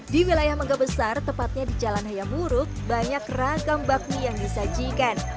di wilayah mangga besar tepatnya di jalan hayamuruk banyak ragam bakmi yang disajikan